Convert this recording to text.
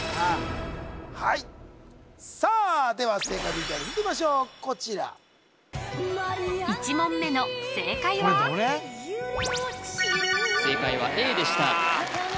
はいさあでは正解ＶＴＲ見てみましょうこちら１問目の正解は正解はＡでした